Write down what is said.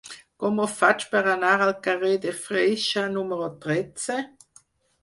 Com ho faig per anar al carrer de Freixa número tretze?